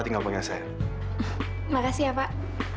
tinggal punya saya makasih ya pak